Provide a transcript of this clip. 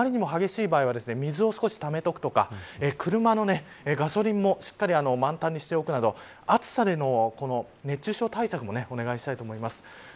雷は、あまりにも激しい場合には水を少しためておくとか車のガソリンもしっかり満タンにしておくなど暑さでの熱中症対策もお願いしたいと思います。